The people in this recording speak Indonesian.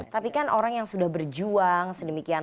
tapi kan orang yang sudah berjuang sedemikian